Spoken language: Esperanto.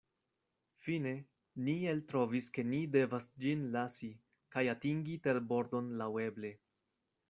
Fine, ni eltrovis ke ni devas ĝin lasi, kaj atingi terbordon laŭeble.